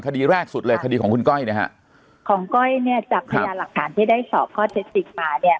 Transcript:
คดีแรกสุดเลยคดีของคุณก้อยนะฮะของก้อยเนี่ยจากพยานหลักฐานที่ได้สอบข้อเท็จจริงมาเนี่ย